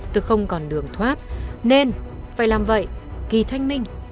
tôi không còn đường thoát nên phải làm vậy kỳ thanh minh